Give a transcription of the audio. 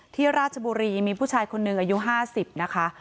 ราชบุรีมีผู้ชายคนหนึ่งอายุ๕๐นะคะ